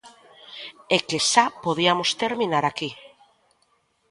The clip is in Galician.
É que xa podiamos terminar aquí.